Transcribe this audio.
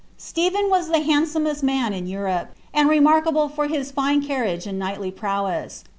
Stephen was the handsomest man in Europe, and remarkable for hii fine ciirriagc and knightly prowess.